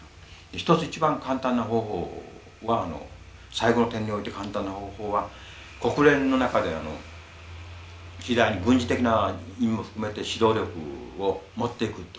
一つ一番簡単な方法は最後の点において簡単な方法は国連の中で次第に軍事的な意味も含めて指導力を持ってくってことですね。